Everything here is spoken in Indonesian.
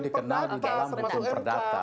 baik dalam perkara pidana ptw dan perdata